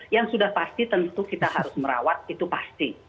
yang sudah pasti tentu kita harus merawat itu pasti